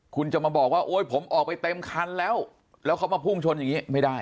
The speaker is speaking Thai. คุณจะมาบอกว่าโอ๊ยผมออกไปเต็มคันแล้วแล้วเขามาพุ่งชนอย่างนี้ไม่ได้